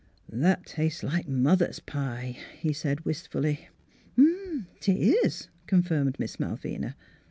" That tastes like mother's pie," he said wistfully. " 'Tis," confirmed Miss Malvina.